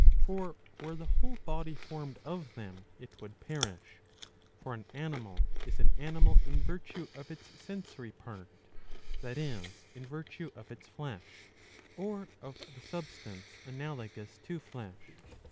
For were the whole body formed of them it would perish. For an animal is an animal in virtue of its sensory part, that is in virtue of its flesh, or of the substance analogous to flesh.'''